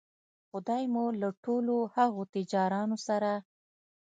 خدای مو له ټولو هغو تجارانو سره